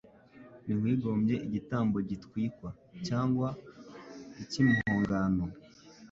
ntiwigombye igitambo gitwikwa cyangwa icy’impongano